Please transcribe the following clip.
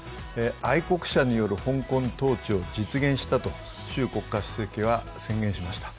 愛国者による香港統治を実現したと習国家主席は宣言しました。